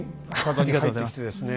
ありがとうございます。